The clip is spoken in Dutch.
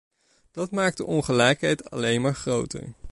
Dat maakt de ongelijkheid alleen maar groter.